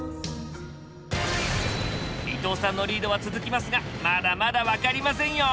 伊藤さんのリードは続きますがまだまだ分かりませんよ。